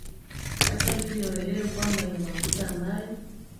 hata libya waelewe kwamba ina mafuta ambayo